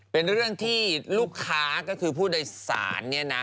เป็นเรื่องที่ลูกค้าก็คือผู้โดยสารเนี่ยนะ